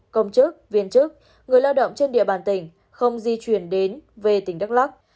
công chức viên chức người lao động trên địa bàn tỉnh không di chuyển đến về tỉnh đắk lắc